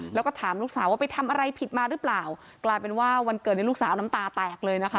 แล้วก็ถามลูกสาวว่าไปทำอะไรผิดมาหรือเปล่ากลายเป็นว่าวันเกิดในลูกสาวน้ำตาแตกเลยนะคะ